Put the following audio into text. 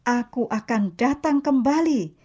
aku akan datang kembali